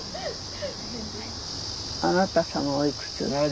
あなた様はおいくつ？